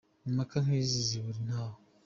Impaka nk’izo zibure intaho